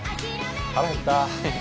腹減った。